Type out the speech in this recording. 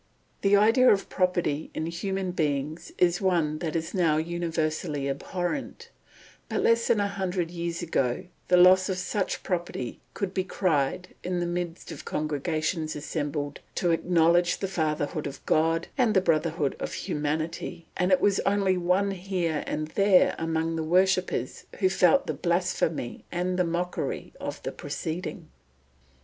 The idea of property in human beings is one that is now universally abhorrent; but less than a hundred years ago the loss of such property could be cried in the midst of congregations assembled to acknowledge the Fatherhood of God and the brotherhood of humanity, and it was only one here and there among the worshippers who felt the blasphemy and the mockery of the proceeding.